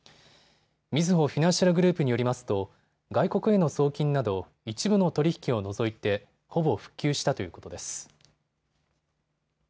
みずほフィナンシャルグループによりますと外国への送金など一部の取り引きを除いてほぼ復旧したということです。